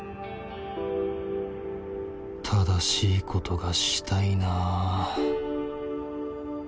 正しいことがしたいな。